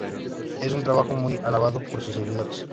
Es un trabajo muy alabado por sus seguidores.